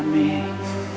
aku mau pergi ke rumah